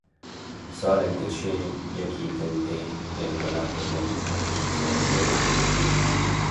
Salek diçe yekî din tê lê li welatê min her tişt xerabtir dibe.